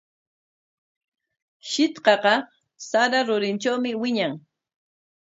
Shitqaqa sara rurintrawmi wiñan.